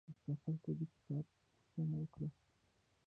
وروسته خلکو د کتاب پوښتنه وکړه.